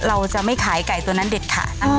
เราจะไม่ขายไก่ตัวนั้นเด็ดขาด